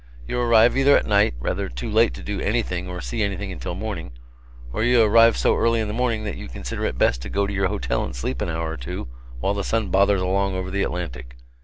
You arrive either at night, rather too late to do anything or see anything until morning, or you arrive so early in the morning that you consider it best to go to your hotel and sleep an hour or two while the sun bothers along over the Atlantic.